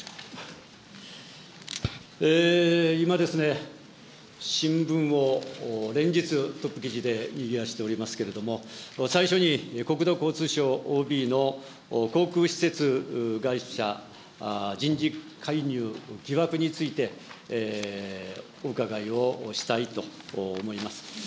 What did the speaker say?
今ですね、新聞を連日、トップ記事でにぎわせておりますけれども、最初に国土交通省ＯＢの航空施設会社人事介入疑惑について、お伺いをしたいと思います。